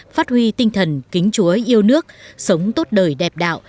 phát huy tinh thần kính chúa yêu nước sống tốt đời đẹp đạo